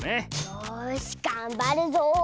よしがんばるぞ！